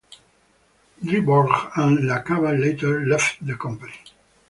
Dryburgh and LaCava later left the company.